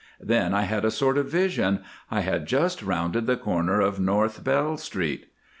Then I had a sort of vision—I had just rounded the corner of North Bell Street."